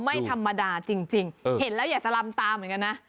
ไม่ธรรมดาจริงเห็นแล้วอยากจะลำตาเหมือนกันนะ